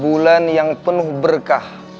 bulan yang penuh berkah